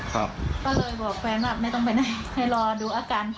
ก็เลยบอกแฟนครับจะไม่ต้องไปนะให้รอดูอาการก่น